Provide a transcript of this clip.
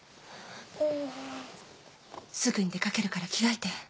すぐに出かけるから着替えて。